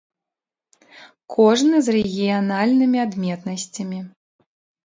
Кожны з рэгіянальнымі адметнасцямі.